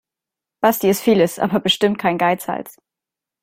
Basti ist vieles, aber bestimmt kein Geizhals.